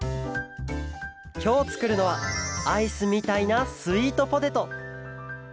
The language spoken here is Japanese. きょうつくるのはアイスみたいなスイートポテト。